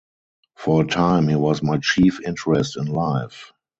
For a time, he was my chief interest in life.